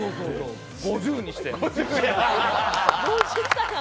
５０にして。